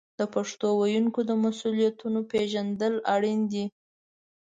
د پښتو ویونکو د مسوولیتونو پیژندل اړین دي.